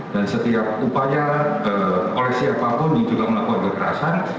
dan setiap upaya oleh siapapun yang juga melakukan kekerasan